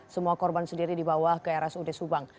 semua korban sendiri dibawa ke rsud subang